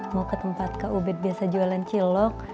mau ketempat kak ubed biasa jualan cilok